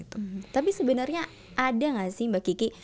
tapi sebenarnya ada nggak sih mbak kiki